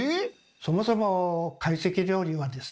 そもそも会席料理はですね